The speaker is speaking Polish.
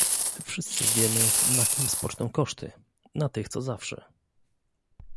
Wszyscy wiemy, na kim spoczną koszty - na tych, co zawsze